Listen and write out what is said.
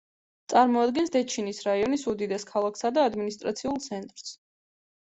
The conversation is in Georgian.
წარმოადგენს დეჩინის რაიონის უდიდეს ქალაქსა და ადმინისტრაციულ ცენტრს.